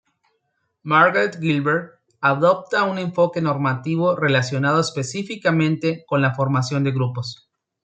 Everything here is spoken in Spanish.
Margaret Gilbert adopta un enfoque normativo relacionado específicamente con la formación de grupos.